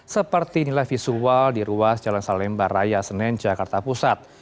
seperti inilah visual di ruas jalan salembar raya senin jakarta pusat